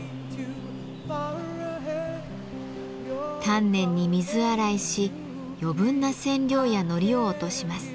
丹念に水洗いし余分な染料やノリを落とします。